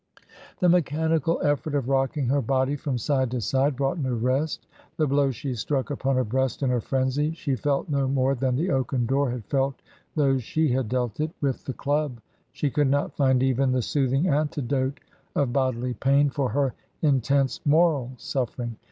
The mechanical effort of rocking her body from side to side brought no rest; the blow she struck upon her breast in her frenzy she felt no more than the oaken door had felt those she had dealt it with the club. She could not find even the soothing antidote of bodily pain for her intense moral suffering.